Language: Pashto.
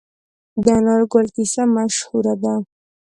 د انار ګل کیسه مشهوره ده.